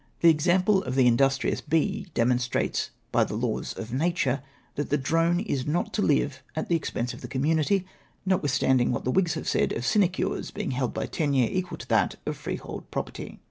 " The example of the industrious bee demonstrates by the laws of nature that the drone is not to live at the expense of the community, notwithstanding what the Whigs have said of sinecures being held by tenure equal to that of freehold property."